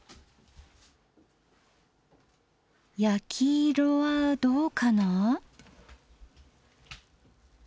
焼き色はどうかな？